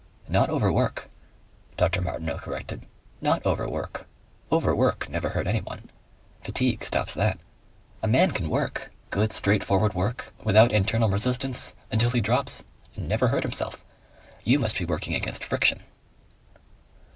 "Not overwork," Dr. Martineau corrected. "Not overwork. Overwork never hurt anyone. Fatigue stops that. A man can work good straightforward work, without internal resistance, until he drops, and never hurt himself. You must be working against friction."